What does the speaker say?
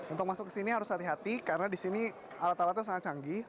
untuk masuk ke sini harus hati hati karena di sini alat alatnya sangat canggih